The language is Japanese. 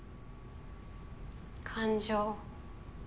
感情。